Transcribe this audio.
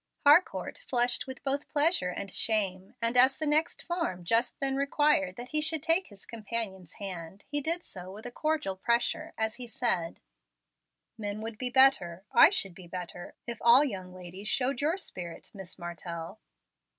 Harcourt flushed with both pleasure and shame; and as the next form just then required that he should take his companion's hand, he did so with a cordial pressure, as he said, "Men would be better I should be better if all young ladies showed your spirit, Miss Martell."